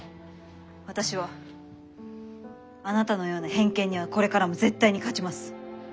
私はあなたのような偏見にはこれからも絶対に勝ちます。